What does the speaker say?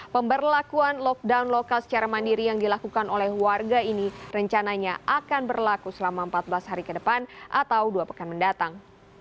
pemberlakuan lockdown lokal secara mandiri yang dilakukan oleh warga ini rencananya akan berlaku selama empat belas hari ke depan atau dua pekan mendatang